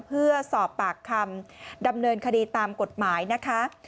เพื่อสอบปากคำดำเนินคดีตามกฎหมายนะคะ